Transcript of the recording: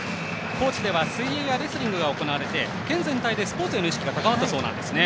高知では水泳やレスリングが行われて県全体でスポーツへの意識が高まったそうなんですね。